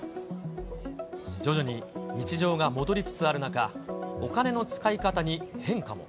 徐々に日常が戻りつつある中、お金の使い方に変化も。